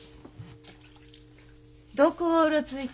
どこをうろついていたん？